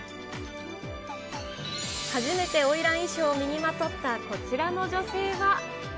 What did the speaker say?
初めておいらん衣装を身にまとったこちらの女性は。